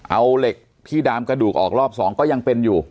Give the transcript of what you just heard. เอาเหล็กที่ดามกระดูกออกรอบ๒ก็ยังเป็นอยู่